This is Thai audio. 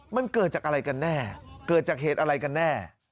มันเกิดจากอะไรกันแน่เกิดจากเหตุอะไรกันแน่